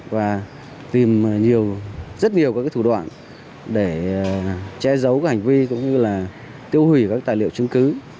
và tìm rất nhiều các thủ đoạn để che giấu hành vi cũng như tiêu hủy các tài liệu chứng cứ